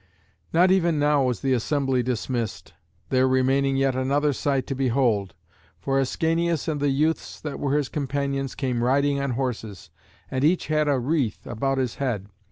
Not even now was the assembly dismissed, there remaining yet another sight to behold. For Ascanius and the youths that were his companions came riding on horses, and each had a wreath about his head.